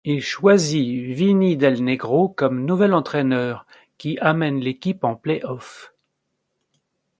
Il choisit Vinny Del Negro comme nouvel entraîneur, qui amène l'équipe en play-offs.